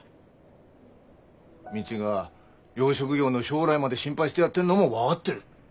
未知が養殖業の将来まで心配してやってんのも分がってる。